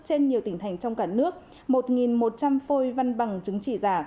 trên nhiều tỉnh thành trong cả nước một một trăm linh phôi văn bằng chứng chỉ giả